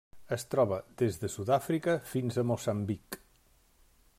Es troba des de Sud-àfrica fins a Moçambic.